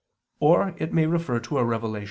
Or it may refer to a revelation.